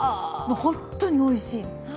本当においしいの。